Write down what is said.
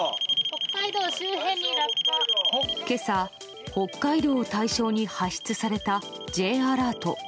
今朝、北海道を対象に発出されたＪアラート。